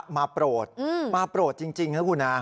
มาโปรจจริงคุณา